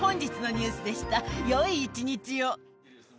よい一日を。